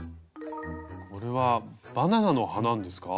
これは「バナナの葉」なんですか？